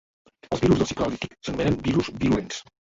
Els virus del cicle lític s'anomenen virus virulents.